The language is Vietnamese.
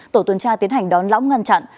tổ tuần tra tiến hành đón lõng ngăn chặn